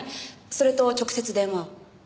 それと直接電話を。